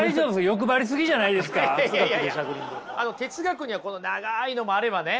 哲学には長いのもあればね